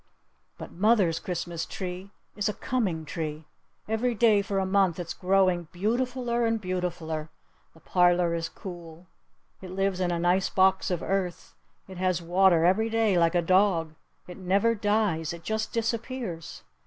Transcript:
But mother's Christmas tree is a coming tree. Every day for a month it's growing beautifuler and beautifuler! The parlor is cool. It lives in a nice box of earth. It has water every day like a dog. It never dies. It just disappears.